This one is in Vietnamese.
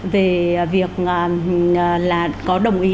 về việc là có đồng ý